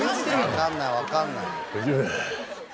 わかんないわかんない。